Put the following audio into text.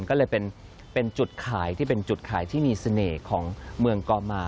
ก็เลยเป็นจุดขายที่เป็นจุดขายที่มีเสน่ห์ของเมืองกอมา